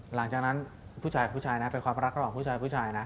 หลังจากนั้นผู้ชายนะเป็นความรักของผู้ชายนะ